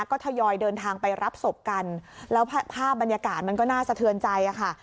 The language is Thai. ก็ทยอยเดินทางไปรับศพกันแล้วภาพบรรยากาศมันก็น่าสะเทือนใจค่ะ